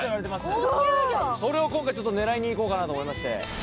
すごい！それを今回狙いにいこうかなと思いまして。